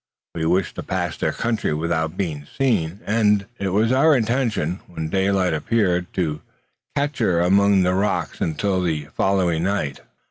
We wished to pass their country without being seen; and it was our intention, when daylight appeared, to "cacher" among the rocks until the following night.